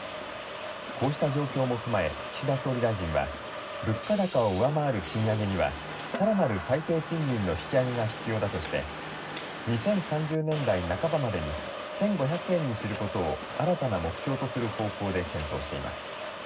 こうした状況も踏まえ、岸田総理大臣は物価高を上回る賃上げにはさらなる最低賃金の引き上げが必要だとして２０３０年代半ばまでに１５００円にすることを新たな目標とする方向で検討しています。